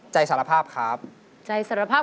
สารภาพครับใจสารภาพ